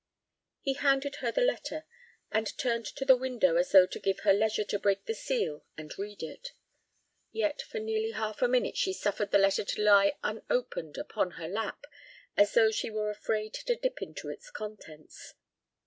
He handed her the letter, and turned to the window as though to give her leisure to break the seal and read it. Yet for nearly half a minute she suffered the letter to lie unopened upon her lap as though she were afraid to dip into its contents.